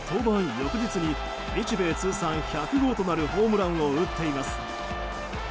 翌日に日米通算１００号となるホームランを打っています。